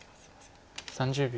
３０秒。